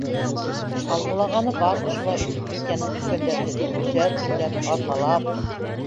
Ҡалғылағаны бар ошолай итеп Витяның өлкәндәрһеҙ, өсәр көнләп, аҙналап.